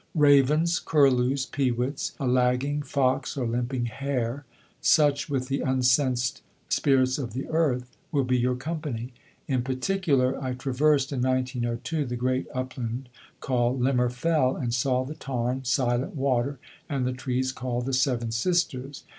Ravens, curlews, peewits, a lagging fox or limping hare; such, with the unsensed Spirits of the Earth, will be your company. In particular I traversed (in 1902) the great upland called Limmer Fell, and saw the tarn Silent Water and the trees called The Seven Sisters.